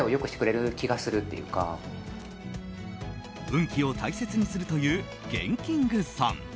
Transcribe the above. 運気を大切にするというＧＥＮＫＩＮＧさん。